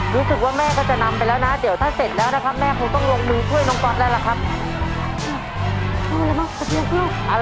รู้สึกว่าแม่ก็จะนำไปแล้วนะเดี๋ยวถ้าเสร็จแล้วนะครับแม่คงต้องลงมือช่วยน้องก๊อตแล้วล่ะครับ